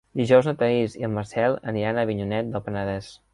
Dijous na Thaís i en Marcel aniran a Avinyonet del Penedès.